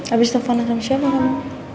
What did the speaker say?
abis telfon sama siapa kamu